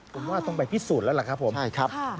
ผมว่าต้องไปพิสูจน์แล้วล่ะครับผมใช่ครับ